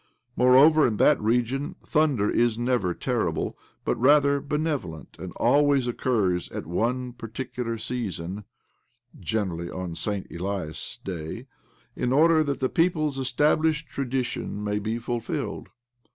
Moreover, in that region thunder is never terrible, but, rather, benevolent, and always occurs at one particular season ( gene rally on Saint Elias' Day, in order that the people's established tradition may be ful filled